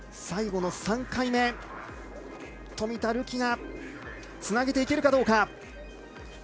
最後の３回目、冨田るきがつなげていけるかどうか。